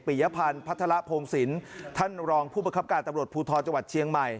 ยพันธ์พัฒระพงศิลป์ท่านรองผู้ประคับการตำรวจภูทรจังหวัดเชียงใหม่